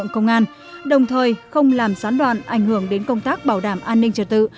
công an đồng thời không làm sán đoàn ảnh hưởng đến công tác bảo đảm an ninh trật tự